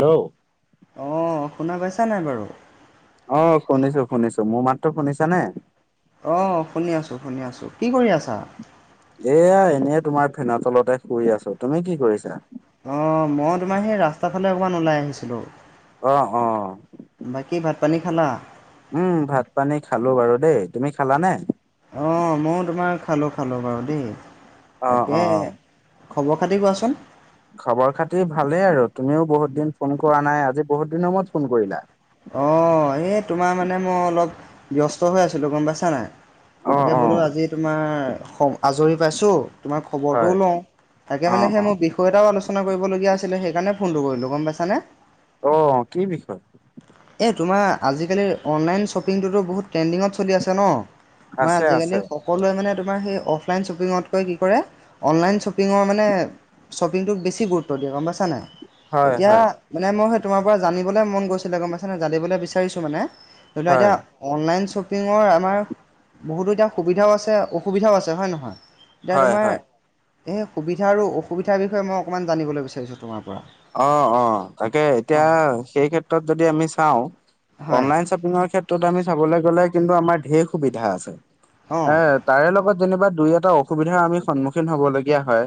Hello অ শুনা পাইছা নাই বাৰু? অ শুনিছো শুনিছো মোৰ মাতটো শুনিছা নে। অ শুনি আছোঁ, শুনি আছোঁ কি কৰি আছা। এয়া এনেই তোমাৰ ফেনৰ তলতে শুই আছো। তুমি কি কৰিছা? অ মই তোমাৰ সেই ৰাস্তাৰ ফালে অকণমান ওলাই আহিছিলো। অ অ বাকী ভাত পানী খালা? উম, ভাত পানী খালো বাৰু দেই। তুমি খালানে? অ ময়ো তোমাৰ খালো খালো বাৰু দেই অ' তাকেহে। অ'। খবৰ খাতি কোৱাচোন? খবৰ খাতি ভালেই আৰু তুমিও বহুত দিন ফোন কৰা নাই আজি বহুত দিনৰ মূৰত ফোন কৰিলা। অ এই তোমাৰ মানে মই অলপ ব্যস্ত হৈ আছিলো গম পাইছা নাই। অ' তাকে বোলো অ' আজি তোমাৰ হ আজৰি পাইছো। তোমাৰ খবৰটোও হয়। লও তাকে মানে অ' সেই অ' মোৰ বি বিষয় এটাও আলোচনা কৰিবলগীয়া আছিলে সেইকাৰণে ফোনটো কৰিলো গম পাইছানে। অ কি বিষয়? এই তোমাৰ আজিকালিৰ অনলাইন শ্বপিংটোতো বহুত ট্ৰেণ্ডিঙত চলি আছে ন? মই আছে আজিকালি আছে স সকলোৱে মানে তোমাৰ সেই অফলাইন শ্বপিঙতকৈ, কি কৰে অনলাইন শ্বপিঙৰ, মানে শ্বপিংটোক বেছি গুৰুত্ব দিয়ে গ'ম পাইছা নাই? হয় এতিয়া হয় মানে মই সেই তোমাৰ পৰা জানিবলৈ মন গৈছিলে গ'ম পাইছেনে জানিবলৈ বিচাৰিছো মানে ধৰিলোৱা হয়। এতিয়া অনলাইন শ্বপিঙৰ আমাৰ বহুতো এতিয়া সুবিধাও আছে অসুবিধাও আছে হয় নহয়? এতিয়া হয় তোমাৰ হয় সেই সুবিধা আৰু অসুবিধাৰ বিষয়ে মই অকণমান জানিবলৈ বিচাৰিছোঁ তোমাৰ পৰা? অঁ, অঁ, তাকে অঁ এতিয়া সেই ক্ষেত্ৰত যদি আমি চাওঁ, হয় অনলাইন- শ্বপিঙৰ ক্ষেত্ৰত আমি চাবলৈ গ'লে কিন্তু আমাৰ ঢেৰ সুবিধা আছে। অঁ এ- তাৰে লগত দুই এটা অসুবিধাৰ আমি সন্মুখীন হ'ব লগা হয়,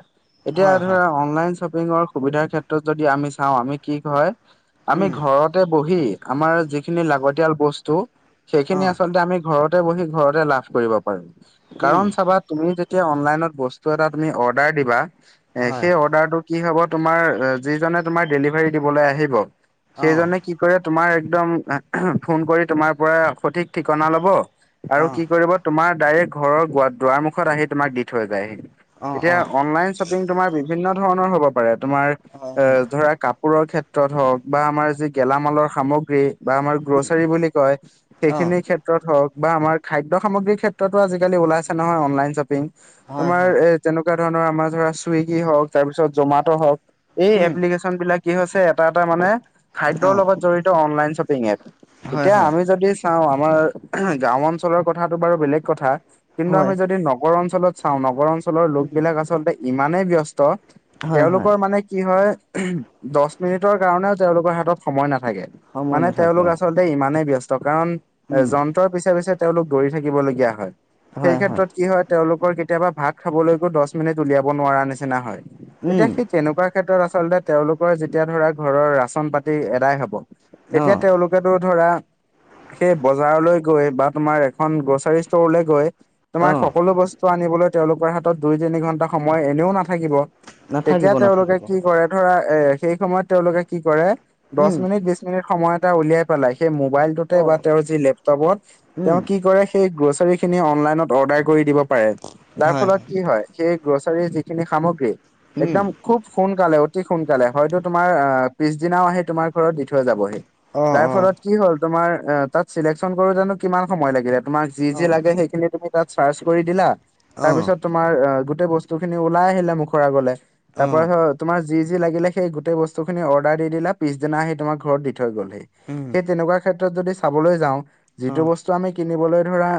এতিয়া হয় ধৰা হয় অনলাইন শ্বপিঙ পিঙৰ সুবিধাৰ ক্ষেত্ৰত যদি আমি চাওঁ, আমি কি কয় আমি উম ঘৰতে বহি আমাৰ যিখিনি লাগতিয়াল বস্তু, সেইখিনি অঁ আচলতে আমি ঘৰত ঘৰতে বহি ঘৰতে লাভ কৰিব পাৰো। উম, কাৰণ চাবা তুমি যেতিয়া অনলাইনত বস্তু এটা তুমি অৰ্ডাৰ দিবা, এ হয়, সেই অৰ্ডাৰটোত কি হ'ব তোমাৰ যিজনে তোমাৰ ডেলিভাৰী দিবলৈ আহিব, অ', সেইজনে কি কৰে তোমাৰ একদম ফোন কৰি তোমাৰ পৰা সঠিক ঠিকনা ল'ব। আৰু অ', কি কৰিব তোমাৰ ডাইৰেক্ট ঘৰৰ দুৱাৰ মুখত আহি তোমাক দি থৈ যায়হি। অ', এতিয়া অ', অনলাইন শ্বপিং তোমাৰ বিভিন্ন ধৰণৰ হ'ব পাৰে, তোমাৰ হয়, এ হয়, ধৰা কাপোৰ পোৰৰ ক্ষেত্ৰত হওঁক বা আমাৰ যি গেলামালৰ সামগ্ৰী বা আমাৰ উম, গ্ৰ'ছাৰী বুলি কয়, অ', সেইখিনি ক্ষেত্ৰ ত্ৰত হওঁক, বা আমাৰ খাদ্য সামগ্ৰীৰ ক্ষেত্ৰতো আজিকালি ওলাইছে নহয় অনলাইন শ্বপিং, হয়, তোমাৰ হয়, এ যেনেকুৱা ধৰণৰ আমাৰ ধৰা চুইগি হওঁক তাৰপিছত জমাত হওঁক, এই উম, এপ্লিকেশ্যন বিলাক কি হৈছে এটা এটা মানে খাদ্যৰ অ', লগত জড়িত অনলাইন শ্বপিং এপ। হয়, এতিয়া হয়, আমি যদি চাওঁ, আমাৰ গাঁও অঞ্চলৰ কথাটো বাৰু বেলেগ কথা। কিন্তু হয়, আমি যদি নগৰ অঞ্চলত চাওঁ, নগৰ অঞ্চলৰ উম, লোকবিলাক আচলতে ইমানেই ব্যস্ত- - হয়, হয়, তেওঁলোকৰ মানে কি হয়, দহ মিনিটৰ কাৰণেও তেওঁলোকৰ হাতত সময় নাথাকে। সময় মানে নাথাকে তেওঁলোক অ', আচলতে ইমানেই ব্যস্ত। কাৰণ উম, এজন ৰৰ পিছা পিছে তেওঁলোক দৌৰি থাকিবলগীয়া হয়। সেই ক্ষেত্ৰত কি হয় তেওঁলোকৰ কেতিয়াবা ভাগ খাবলৈকো দহ মিনিট উলিয়াব নোৱাৰা নিচিনা হয়। এতিয়া উম, তেনেকুৱা ক্ষেত্ৰত আচলতে তেওঁলোকৰ যেতিয়া ধৰা ঘৰৰ ৰাচন পাতি এদাই হ'ব, তেতিয়া অ', তেওঁলোক কেটো ধৰা সেই বজাৰলৈ গৈ বা তোমাৰ এখন গ্ৰ'চাৰী ষ্টৰলৈ গৈ তোমাৰ অ', সকলো বস্তু আনিবলৈ তেওঁলোকৰ হাতত দুই তিনি ঘন্টা সময় এনেও নাথাকিব। নাথাকিব, তেতিয়া তেওঁলোকে নাথাকিব, কি কৰে ধৰা, এ সেই সময়ত তেওঁলোকে কি কৰে উম, দহ মিনিট সময় এটা উলিয়াই পেলাই, সেই মোবাইলটোতে বা অ', তেওঁৰ যি লেপটপত উম, তেওঁ কি কৰে। সেই গ্ৰ'চাৰী খিনি অনলাইনত অৰ্ডাৰ কৰি দিব পাৰে। যাৰ ফলত কি হয়, সেই গ্ৰছাৰীৰ যিখিনি সামগ্ৰী উম, একদম খুব সোনকালে অতি সোনকালে হয়তো তোমাৰ আহ পিছদিনাও আহি তোমাৰ ঘৰত দি থৈ যাবহি। অ', যাৰ অ', ফলত কি হ'ল তোমাৰ তাত চিলেকশ্যন কৰোতেনো কিমান সময় লাগিলে। তোমাক যি যি অ', লাগে সেইখিনি তুমি তাত চাৰ্চ কৰি দিলা, অ', তাৰপিছত তোমাৰ গোটেই বস্তু খিনি ওলাই আহিলে মুখৰ আগলে তোমাৰ অ', ধৰ তোমাৰ যি যি লাগিলে হেই গোতেই বস্তু খিনি অৰ্ডাৰ দি দিলা, পিছদিনা আহি তোমাৰ ঘৰত দি থৈ গ'লহি। উম। সেই তেনেকুৱা ক্ষেত্ৰত যদি চাবলৈ যাওঁ, যিটো অ', বস্তু আমি কিনিবলৈ ধৰা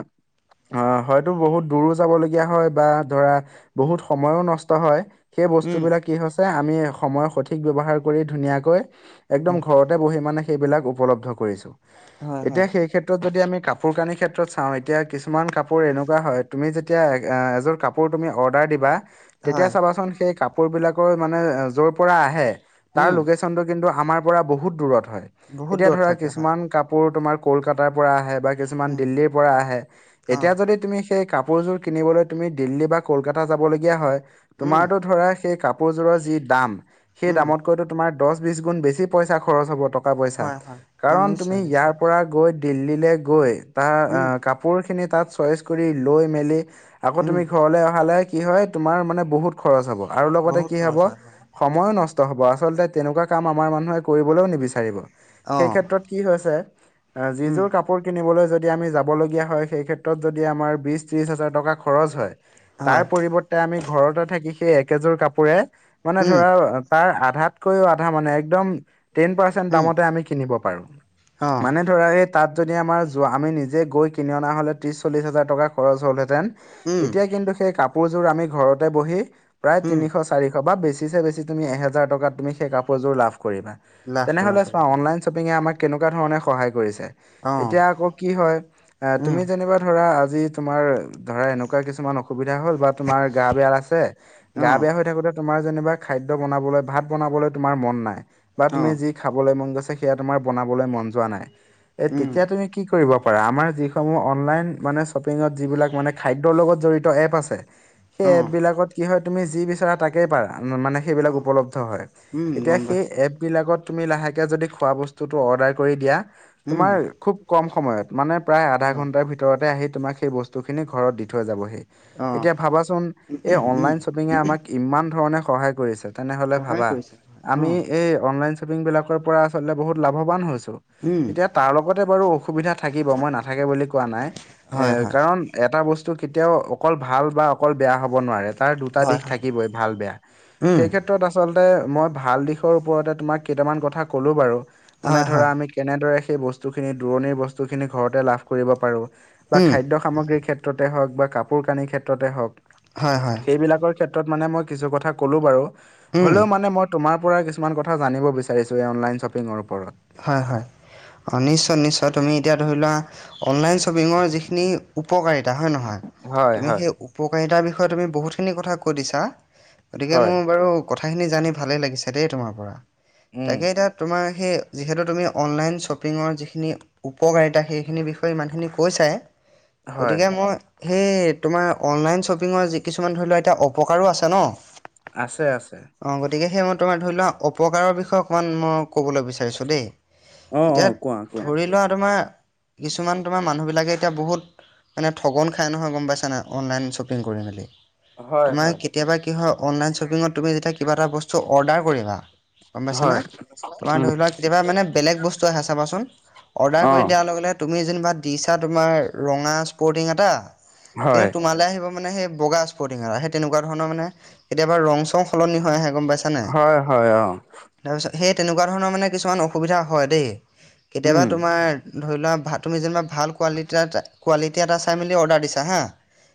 হয়তো বহুত দূৰো যাবলগীয়া হয়, বা ধৰা বহুত সময়ো নষ্ট হয় সেই। উম, বস্তুবোৰে কি হইছে আমি এক সময়ত সঠিক ব্যৱহাৰ কৰি ধুনীয়াকৈ একদম উম, ঘৰত ত মানে সেই বিলাক উপলব্ধ কৰিছো হয়, হয়, এতিয়া সেই ক্ষেত্ৰত যদি আমি কাপোৰ, কানিৰ ক্ষেত্ৰত চাওঁ এতিয়া কিছুমান কাপোৰ এনেকুৱা হয় তুমি যেতিয়া এ এযোৰ কাপোৰ। কাপোৰ তুমি অৰ্ডাৰ দিবা। তেতিয়া হয়, চাবাচোন সেই কাপোৰ বিলাকৰ মানে যৰ পৰা আহে তাৰ উম, লোকেচন চন্দ্ৰ কিন্তু আমাৰ পৰা বহুত দূৰত হয় বহুত এতিয়া দূৰত ধৰা থাকে হয়, কিছুমান কাম। বোৰ তোমাৰ কলকাতাৰ পৰা আহে বা কিছুমান উম, দিল্লীৰ পৰা আহে অ', এতিয়া যদি তুমি। সেই কাপোৰযোৰ কিনিবলৈ তুমি দিল্লী বা কলকাতা যাবলগীয়া হয় উম, তোমাৰতো ধৰা। সেই কাপোৰযোৰৰ যি দাম সেই উম, দামতকৈতো তোমাৰ দহ বি গুণ বেছি পইচা খৰচ হব টক। কা পইচা হয় হয় অ কাৰণ তুমি নিশ্চয় ইয়াৰ নিশ্চয় পৰা গৈ দিল্লী লে গৈ তাৰ আ উম কাপোৰ। কাপোৰখিনি তাত চইচ কৰি লৈ মেলি আকৌ উম তুমি ঘৰলৈ অহালৈ। কি হয় তোমাৰ মানে বহুত খৰচ হ'ব আৰু লগতে বহুত কি হ'ব। খৰচ হয় হয় সময়ো নষ্ট হ'ব আচলতে তেনেকুৱা কাম আমাৰ মানুহে কৰিবলৈও নিবিচাৰিব অ সেই ক্ষেত্ৰত। কি হৈছে যি উম যোৰ কাপোৰ কাপোৰ কিনিবলৈ যদি আমি যাবলগীয়া হয় সেই ক্ষেত্ৰত যদি আমাৰ বিছ, ত্ৰিছ হাজাৰ টকা খৰচ হয়। তাৰ হয় পৰিৱৰ্তে আমি ঘৰতে থাকি সেই একেযোৰ কাপোৰে মানে উম ধৰা আ তাৰ আধাতকৈও আধা মানে একদম টেন পাৰ্চেন্ট উম দামতে আমি কিনিব পাৰো অ মানে। ধৰা সেই তাত যদি আমাৰ যোৱা আমি নিজে গৈ কিনি অনা হ'লে ত্ৰিছ চল্লিশ হাজাৰ টকা খৰচ হ'লহেঁতেন। উম এতিয়া কিন্তু সেই কাপোৰযোৰ আমি ঘৰতে বহি প্ৰায় উম তিনিশচ চাৰিশ বা বেছিচে বেছি তুমি এহেজাৰ টকাত তুমি সেই কাপোৰ যোৰ লাভ কৰিবা লাভ কৰিব তেনেহলে পাৰি চোৱা অনলাইন শ্বপিঙে আমাক কেনেকুৱা ধৰণে সহায় কৰিছে। অ এতিয়া আকৌ কি হয় এ উম তুমি যেনিবা ধৰা আজি। তোমাৰ ধৰা এনেকুৱা কিছুমান অসুবিধা হ'ল বা তোমাৰ গা বেয়া আছে গা অ বেয়া হৈ থাকোতে। তোমাৰ যেনিবা খাদ্য বনাবলৈ ভাত বনাবলৈ তোমাৰ মন নাই বা অ তুমি যি খাবলৈ মন গৈছে সেয়া তোমাৰ বনাবলৈ মন যোৱা নাই উম তেতিয়া তুমি কি কৰিবা। পৰা আমাৰ যিসমূহ অনলাইন মানে শ্বপিঙত যিবিলাক মানে খাদ্যৰ লগত জড়িত এপ আছে। সেই অ এপ বিলাকত কি হয় তুমি যি বিচাৰা তাকে পাৰা মানে। অ সেইবিলাক উপলব্ধ হয় উম এতিয়া গম সেই পাইছোঁ এপ। বিলাকত তুমি লাহেকে যদি খোৱা বস্তুতটো অৰ্ডাৰ কৰি দিয়া উম তোমাৰ খুব কম সময়ত। মানে প্ৰায় আধা হয় ঘণ্টাৰ ভিতৰতে আহি তোমাক সেই বস্তুখিনি ঘৰত দি থৈ যাবহি। অ এতিয়া ভাবাচোন এই উম অনলাইন শ্বপিঙে আমাক ইমান ধৰণে সহায় কৰিছে। তেনেহলে সহায় ভাবা কৰিছে অ আমি এই অনলাইন শ্বপিং বিলাকৰ পৰা আচলতে বহুত লাভবান হৈছো। উম এতিয়া তাৰ লগতে বাৰু অসুবিধা থাকিব মই নাথাকে বুলি কোৱা নাই এ হয় হয় কাৰণ। এটা বস্তু কেতিয়াও অকল ভাল বা অকল বেয়া হ'ব নোৱাৰে তাৰ দুটা। এটা হয় দিশ হয় থাকিবই ভাল বেয়া উম সেই ক্ষেত্ৰত। তোত আচল মই ভাল দিশৰ ওপৰতে তোমাক কেইটামান কথা ক'লো বাৰু মানে হয় ধৰা হয় আমি। কেনেদৰে সেই বস্তুখিনি দূৰণিৰ বস্তুখিনি ঘৰতে লাভ কৰিব পাৰো বা উম খাদ্য। সামগ্ৰিৰ ক্ষেত্ৰতে হক বা কাপোৰ -কানি ক্ষেত্ৰতে হক হয় হয় সেইবিলাক। বৰ ক্ষেত্ৰত মানে মই কিছু কথা কলো বাৰু উম হ'লেও মানে মই। তোমাৰ পৰা কিছুমান কথা জানিব বিচাৰিছো এই অনলাইন শ্বপিঙৰ ওপৰত। হয় হয় অঁ নিশ্চয় নিশ্চয় তুমি এতিয়া ধৰি লোৱা। অনলাইন শ্বপিঙৰ যিখিনি উপকাৰিতা হয় নহয়। হয় তুমি হয় সেই উপকাৰিতাৰ বিষয়ে তুমি বহুতখিনি কথা কৈ দিছা গতিকে হয় মোৰ বাৰু। কথাখিনি জানি ভালেই লাগিছে দেই তোমাৰ পৰা উম, তাকে এতিয়া তোমাৰ সেই। যিহেতু তুমি অনলাইন শ্বপিঙৰ যিখিনি উপকাৰিতা সেইখিনিৰ বিষয়ে ইমানখিনি কৈচাই, হয় গতিকে মই সেই তোমাৰ অনলাইন শ্বপিঙৰ যি কিছুমান ধৰি লোৱাক এতিয়া অপকাৰো আছে ন? আছে আছে। অ', গতিকে সেই মই তোমাৰ ধৰি ল‌ওক অপকাৰৰ বিষয়ে অকণমান মই ক'বলৈ বিচাৰিছোঁ দেই। অ অ এতিয়া কোৱা কোৱা। ধৰি লোৱা তোমাৰ, কিছুমান তোমাৰ মানুহবিলাকে এতিয়া বহুত মানে ঠগন খাই নহয়, গম পাইছা নাই? অনলাইন শ্বপিং কৰি মেলি। হয় তোমাৰ হয় কেতিয়াবা কি হয় অনলাইন শ্বপিঙত তুমি যেতিয়া কিবা এটা বস্তু অৰ্ডাৰ কৰিবা। গম পাইছানে? হয় তোমাৰ উম ধৰি লোৱা কেতিয়াবা মানে বেলেগ বস্তু আহে চাবাচোন অৰ্ডাৰ অ কৰি দিয়া লগে-লগে, তুমি যেনিবা দিছা তোমাৰ ৰঙা স্পৰ্টিং এটা কিন্তু হয় তোমালৈ আহিব মানে সেই বগা তেনেকুৱ ধণৰ মানে, কেতিয়াবা ৰং-চং সলনি হৈ আহে, গম পাইছা? নাই? হয়, হয় অ'। তাৰপিছত সেই তেনেকুৱা ধৰণৰ মানে কিছুমান অসুবিধা হয় দেই, কেতিয়াবা উম তোমাৰ ধৰি লোৱা তুমি যেনিবা ভাল কোৱালিটি এটা কোৱালিটি এটা চাই মেলি অৰ্ডাৰ দিছা হা।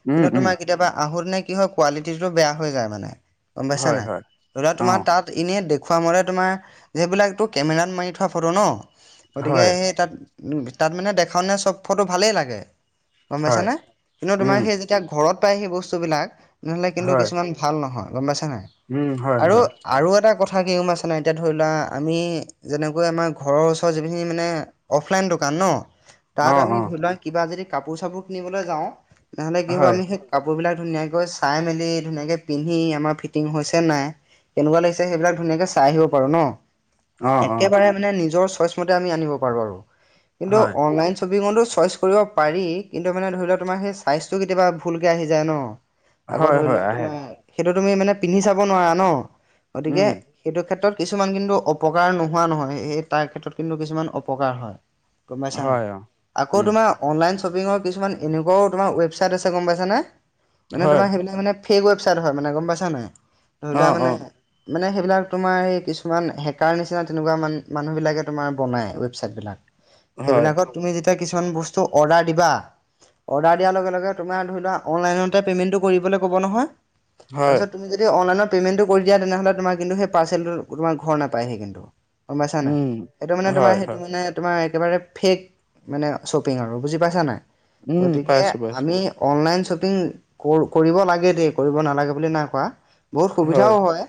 উম কিন্তু উম তোমাৰ কেতিয়াবা আহোতেনে কি হয়, কোৱালিটিটো বেয়া হৈ যায় মানে। গম পাইছা হয় নাই? হয় ধৰি লোৱা অ তোমাৰ তাত এনেই দেখুুৱাাম মতে তোমাৰ, সেইবিলাকটো কেমেৰাত মাৰি থোৱা ফটো ন? গতিকে হয় সেই তাত-তাত মানে দেখাওঁনে চব ফটো ভালেই লাগে। গম হয় পাইছানে? কিন্তু তোমাৰ উম সেই যেতিয়া ঘৰত পায় সেই বস্তু বিলাক তেনেহ'লে কিন্তু হয় কিছুমান ভাল নহয়, গম পাইছে নাই? উম হয় আৰু, হয় আৰু এটা কথা কি গম পাইছে নাই এতিয়া ধৰি লোৱা আমি যেনেকৈ আমাৰ ঘৰৰ ওচৰৰ যিখিনি মানে অফলাইন দোকান ন, তাত অ আমি অ ধৰি লোৱা কিবা যদি কাপোৰ চাপোৰ কিনিবলৈ যাওঁ তেনেহ'লে কি হ'ব হয় আমি সেই কাপোৰ বিলাক ধুনীয়াকৈ চাই মেলি ধুনীয়াকৈ পিন্ধি আমাৰ ফিটিং হৈছেন নাই কেনেকুৱা লাগছে সেইবিলাক ধুনাকে চাই আহিব পাৰো ন? অ অ একেবাৰে মানে আমি নিজৰ ছয়চ নতে আনিব পাৰোঁ‌ আৰু, কিন্তু হয় অনলাইন শ্ব ছপিঙটো চইচ কৰিব পাৰি কিন্তু মানে ধৰি লোৱা তোমাৰ সেই চাইজটো কেতিয়াবা ভুলক আহি যায় ন। আকৌ হয় ধৰি হয় লোৱা আহে তোমাৰ সেইটো তুমি মানে পিন্ধি চাব নোৱাৰা ন? গতিকে উম সেইটো ক্ষেত্ৰত কিছুমান কিন্তু অপকাৰ নোহোৱা নহয়, সেই তাৰ ক্ষেত্ৰত কিন্তু কিছুমান অপকাৰ হয়। গম পাইছা নাই? হয় অ। আকৌ উম তোমাৰ অনলাইন শ্বপিংৰ কিছুমান এনেকুৱাও তোমাৰ ৱেবচাইট আছে, গম পাইছানে? মানে হয় তোমাৰ সেইবিলাক মানে ফেক ৱেবছাইট হয় মানে, গম পাইছা নাই? ধৰি অ লোৱা অ মানে, মানে সেইবিলাক তোমাৰ এই কিছুমান হে কাৰ নিচিনা তেনেকুৱা মান-মানুহবিলাকে তোমাৰ বনায় ৱেবছাইটবিলাক, হয় সেইবিলাকত তুমি যেতিয়া কিছুমান বস্তু অৰ্ডাৰ দিবা অৰ্ডাৰ দিয়াৰ লগে লগে তোমাৰ ধৰি লোৱা অনলাইনতে পে'মেণ্টটো কৰিবলৈ ক'ব নহয় হয় তাৰপিছত তুমি যদি অনলাইনৰ পেমেণ্টো কৰি দিয়া তেনেহ'লে কিন্তু তোমাৰ সেই পাৰ্চেলটো তোমাৰ ঘৰ নাপ নাপায়হি কিন্তু, গম পাইছা নাই? উম। সেইটো মানে তোমাৰ হয় সেইটো হয় মানে তোমাৰ একেবাৰে ফেক মানে শ্বপিং আৰু, বুজি পাইছা নাই? উম গতিকে পাইছো পাইছো আমি অনলাইন শ্বপিং ক-কৰিব লাগে দেই, কৰিব নালাগে বুলি নাই কোৱা বহুত সুবিধাও হয়,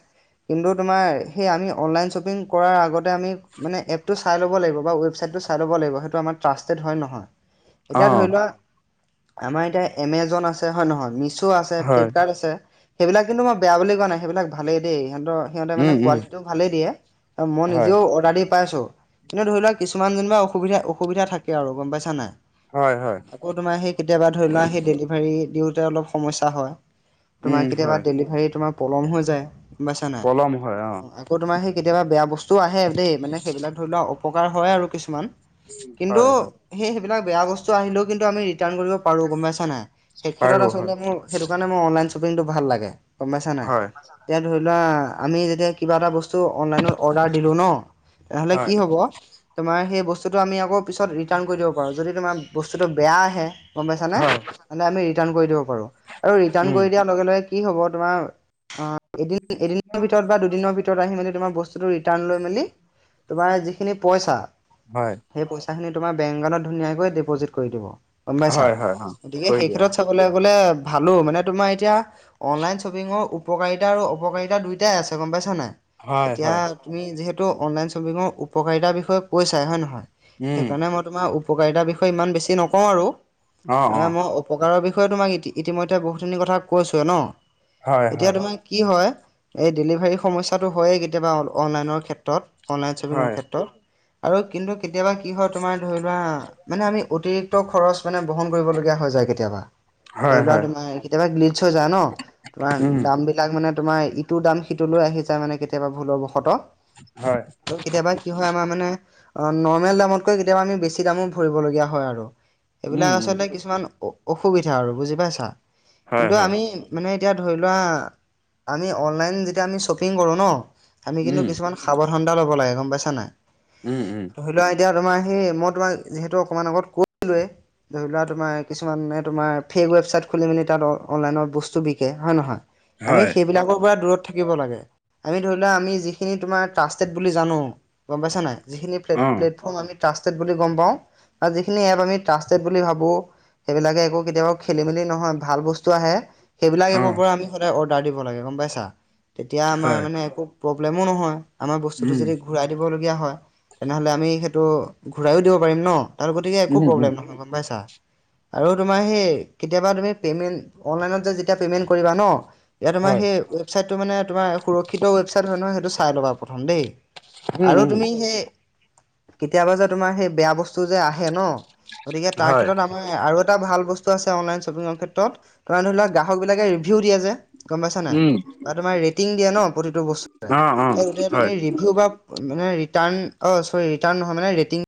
কিন্তু তোমাৰ সেই আমি অনলাইন শ্বপিং কৰাৰ আগতে আমি মানে এপটো চাই ল'ব লাগিব, বা ৱেবচাইটটো চাই ল'ব লাগিব, সেইটো আমাৰ ট্ৰাষ্টেড হয় নহয়। অ এতিয়া ধৰি লোৱা, আমাৰ এতিয়া এমেজন আছে হয় নহয়? মিছ ছ' আছে, হয় ফ্লিপকাৰ্ট আছে, সেইবিলাক কিন্তু মই বেয়া বুলি কোৱা নাই সেইবিলাক ভালেই দেই সিহতৰ সিহঁতে মানে উম উম কোৱালিটিটো ভালেই দিয়ে, মই হয় নিজেও অৰ্ডাৰ দি পাইছোঁ‌। এনে ধৰি লোৱা কিছুমান যেনিবা অসুবিধা-অসুবিধা থাকে আৰু, গম পাইছা নাই? হয়, হয়। আকৌ তোমাৰ সেই কেতিয়াবা ধৰি লোৱা সেই ডেলিভাৰী দিওঁতে অলপ সমস্যা হয়। তোমাৰ উম কেতিয়াবা হয়। ডেলিভাৰী তোমাৰ পলম হৈ যায়, গম পাইছা নাই পলম হয় অ আকৌ তোমাৰ। কেতিয়াবা বেয়া বস্তু আহে দেই, মানে সেইবিলাক ধৰি লোৱা অপকাৰ হয় আৰু কিছুমান কিন্তু। হয় হয় সেই সেইবিলাক বেয়া বস্তু আহিলেও কিন্তু আমি ৰিটাৰ্ণ কৰিব পাৰোঁ গম পাইছা নাই সেই ক্ষেত্ৰত পাৰো হয় আচলতে মোৰ। সেইটো কাৰণে মোৰ অনলাইন শ্বপিংটো ভাল লাগে গম পাইছা নাই। হয় এতিয়া ধৰি লোৱা আমি যেতিয়া কিবা এটা বস্তু। অনলাইনত অৰ্ডাৰ দিলো ন, তেনেহ'লে হয় কি হ'ব তোমাৰ সেই বস্তুটো আমি আকৌ। পিছত ৰিটাৰ্ণ কৰি দিব পাৰোঁ, যদি তোমাৰ বস্তুটো বেয়া আহে। গম পাইছা নে, হয় মানে আমি ৰিটাৰ্ণ কৰি দিব পাৰো আৰু উম কি হব তোমাৰ। অ' এদিন - এদিনৰ ভিতৰত বা দুদিনৰ ভিতৰত আহি মানে। [unintelligible] হয় সেই পইচাখিনি তোমাৰ বেং একাউন্ট ধুনীয়াকৈ দি পজিটি কৰি দিব গ'ম পাইছা হয় হয় অ গতিকে কৈ সেই দিয়া ক্ষেত্ৰত চাবলৈ গ'লে। ভালোঁ মানে তোমাৰ এতিয়া অনলাইন শ্বপিঙৰ উপকাৰিতা আৰু অপকাৰিতা দুয়োটাই আছে গম পাইছা নাই। হয় এতিয়া হয় তুমি যিহেতু অনলাইন শ্বপিঙৰ উপকাৰিতাৰ বিষয়ে কৈছাই হয় নে নহয় উম সেইকাৰণে মই তোমাৰ উপকাৰিতাৰ বিষয়ে ইমান বেছি নকও আৰু অ ত অ মই প্ৰকাৰৰ বিষয়ে তোমাক ই ইতিমধ্যে বহুতখিনি কথা কৈছোৱে ন হয় এতিয়া হয় তোমাক কি হয় এই ডেলিভাৰী সমস্যাটো হয়েই কেতিয়াবা অনলাইনৰ ক্ষেত্ৰত। অনলাইন শ্বপিঙৰ হয় ক্ষেত্ৰত আৰু কিন্তু কেতিয়াবা কি হয়, তোমাৰ ধৰি লোৱা মানে আমি। অতিৰিক্ত খৰচ মানে বহন কৰিবলগীয়া হৈ যায় কেতিয়াবা। ধৰি হয় লোৱা হয় তোমাৰ কেতিয়াবা গ্লিচ হৈ যায় ন তোমাৰ উম দাম বিলাক মানে তোমাৰ ইটো দাম সিটো লৈ আহি যায় মানে কেতিয়াবা ভুলৰ বশত। হয় ত' কেতিয়াবা কি হয় আমাৰ মানে। অ নৰ্মেল দামতকৈ কেতিয়াবা আমি বেছি দামো ভৰিবলগীয়া হয় আৰু উম সেইবিলাক উম আচলতে কিছুমান অসুবিধা আৰু বুজি পাইছা হয় কিন্তু হয় আমি। মানে এতিয়া ধৰি লোৱা আমি অনলাইন যেতিয়া আমি শ্বপিং কৰো ন আমি কিন্তু উম কিছুমান। সাৱধানতা লব লাগে গম পাইছা নাই। উম উম। ধৰি লোৱা এতিয়া তোমাৰ সেই মই তোমাক যিহেতু অকণমান আগত কৈচিলোৱেই। ধৰি লোৱা তোমাৰ কিছুমানে তোমাৰ ফেক ৱেবছাইট খুলি মেলি তাত অনলাইনত বস্তু বিকে হয় নহয়। আমি হয় সেইবিলাকৰ পৰা দূৰত থাকিব লাগে। আমি ধৰি লোৱা আমি যিখিনি তোমাৰ ট্ৰাষ্টেড বুলি জানো গম পাইছা নাই যিখিনি অ প্লেটফৰ্ম আমি। ট্ৰাষ্টটেট বুলি গম পাওঁ। আৰু যিখিন এপ আমি ট্ৰাষ্টেত বুলি ভাবো সেইবিলাকে একো কেতিয়াবা খেলি মেলি নহয় ভাল বস্তু আহে। সেইবিলাক অ এপৰ পৰা আমি সদায় অৰ্ডাৰ দিব লাগে গম পাইছা তেতিয়া আমাৰ হয় মানে একো প্ৰব্লেমও নহয় আমাৰ বস্তুটো উম যদি ঘূৰাই দিবলগীয়া হয় তেনেহ'লে আমি সেইটো ঘূৰায়ো দিব পাৰিম ন। আৰু গতিকে একো উম উম প্ৰব্লেম নহয় গম পাইছা। আৰু তোমাৰ সেই কেতিয়াবা তুমি পে'মেণ্ট অনলাইনত যে যেতিয়া পে'মেণ্ট কৰিবা ন। ইয়াত তোমাৰ হয় সেই ৱেবচাইটটো মানে তোম সুৰক্ষিত ৱেবচাইট হয় নহয় সেইটো চাই ল'ব আৰু প্ৰথম দেই। উম আৰু উম তুমি সেই কেতিয়াবা যে তোমাৰ সেই বেয়া বস্তু যে আহে ন গতিকে তাৰ হয় ক্ষেত্ৰত আৰু এটা ভাল বস্তু আছে অনলাইন শ্বপিংৰ ক্ষেত্ৰত, তোমাৰ ধৰি লোৱা গ্ৰাহক বিলাকে ৰিভিউ দিয়ে যে। গম পাইছা নাই? উম বা তোমাৰ ৰেটিং দিয়ে ন প্ৰতিটো বস্তুতে। অ অ গোটেই হয় তুমি ৰে [unintelligible] মানে ৰিটাৰ্ণ অ চৰী ৰিটাৰ্ণ নহয় মানে ৰেটিং